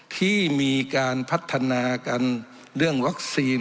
ที่มีการพัฒนากันเรื่องวัคซีน